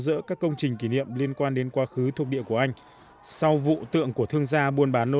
dỡ các công trình kỷ niệm liên quan đến quá khứ thuộc địa của anh sau vụ tượng của thương gia buôn bán nô